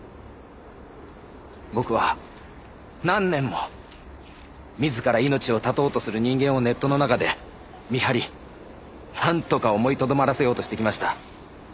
僕は何年も自ら命を絶とうとする人間をネットの中で見張りなんとか思いとどまらせようとしてきました。